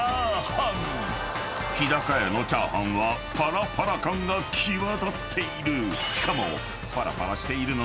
［日高屋のチャーハンはパラパラ感が際立っている］